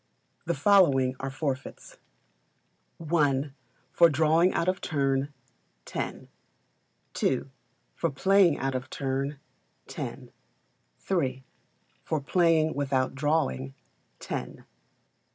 The following are Forfeits: i. For drawing out of turn, 10; ii. For playing out of turn, 10; iii. For playing without drawing, 10; iv.